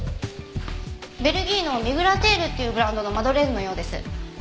ベルギーのミグラテールっていうブランドのマドレーヌのようです。